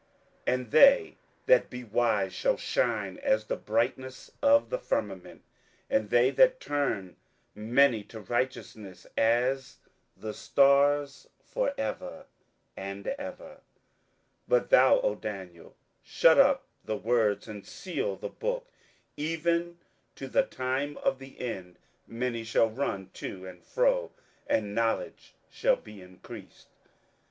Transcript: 27:012:003 And they that be wise shall shine as the brightness of the firmament; and they that turn many to righteousness as the stars for ever and ever. 27:012:004 But thou, O Daniel, shut up the words, and seal the book, even to the time of the end: many shall run to and fro, and knowledge shall be increased.